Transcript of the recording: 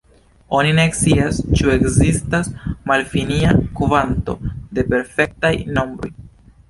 Oni ne scias, ĉu ekzistas malfinia kvanto de perfektaj nombroj.